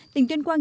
tỉnh tuyên quang